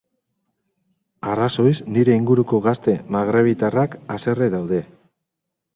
Arrazoiz, nire inguruko gazte magrebtarrak haserre daude.